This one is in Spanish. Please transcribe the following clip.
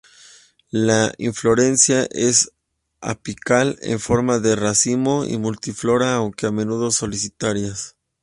La inflorescencia es apical, en forma de racimo y multiflora, aunque a menudo solitarias.